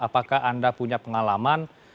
apakah anda punya pengalaman